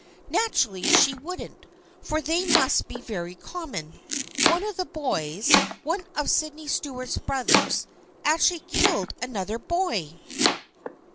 Naturally she wouldn't, for they must be very common. One of the boys, one of Sydney Stuart's brothers, actually killed another boy